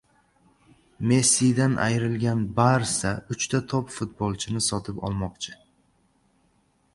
Messidan ayrilgan "Barsa" uchta top futbolchini sotib olmoqchi